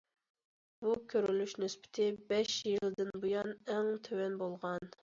بۇ كۆرۈلۈش نىسبىتى بەش يىلدىن بۇيان ئەڭ تۆۋەن بولغان.